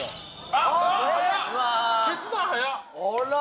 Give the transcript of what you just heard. あら！